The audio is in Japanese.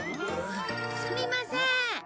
すみません。